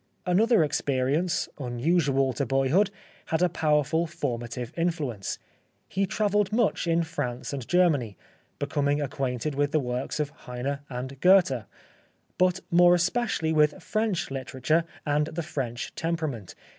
Another ex perience, unusual to boyhood, had a powerful formative influence. He travelled much in France and Germany, becoming acquainted with the works of Heine and Goethe, but more especially with French literature and the French temperament.